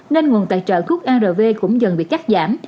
nên nguồn tài trợ thuốc arv cũng dần bị cắt giảm